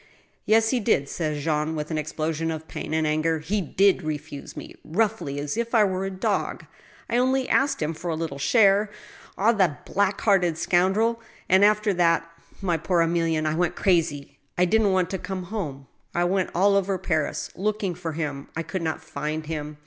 " Yes, he did," said Jean, with an explosion of pain and anger —he did refuse me, roughly, as if I were a dog. I only asked him for a little share. Ah ! Uie black hearted scoundrel I — ^and after that, my poor Emilienne, I went crazy. I didn't want to come home. I GOOD NEWS. 77 went all over Paris, looking for him. I could not find him.